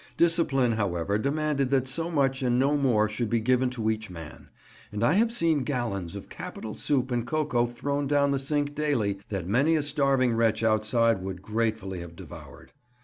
Discipline, however, demanded that so much and no more should be given to each man; and I have seen gallons of capital soup and cocoa thrown down the sink daily that many a starving wretch outside would gratefully have devoured.